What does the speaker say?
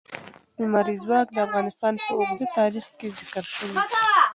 لمریز ځواک د افغانستان په اوږده تاریخ کې ذکر شوی دی.